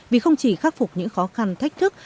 vì không chỉ khắc phục những khó khăn thách thức